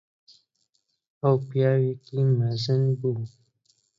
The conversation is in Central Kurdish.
ئەو پیاوێکی مەزن بوو.